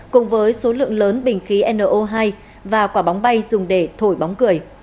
cùng với số lượng lớn bình khí no hai và quả bóng bay dùng để thổi bóng cười